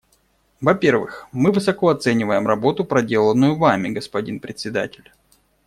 Во-первых, мы высоко оцениваем работу, проделанную Вами, господин Председатель.